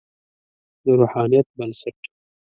د روحانیت بنسټ.